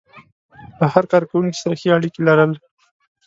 له هر کار کوونکي سره ښې اړيکې لرل.